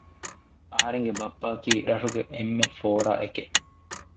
އަހަރެންގެ ބައްޕައަކީ ރަށުގެ އެންމެ ފޯރާއެކެއް